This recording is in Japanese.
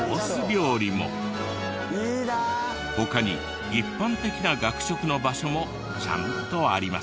他に一般的な学食の場所もちゃんとありますよ。